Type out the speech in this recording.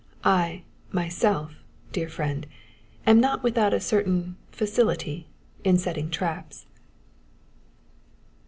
I, myself, dear friend, am not without a certain facility in setting traps."